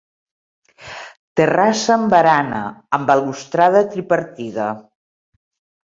Terrassa amb barana amb balustrada tripartida.